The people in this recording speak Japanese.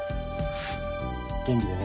元気でね。